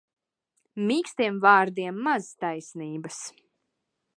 Mīkstiem vārdiem maz taisnības.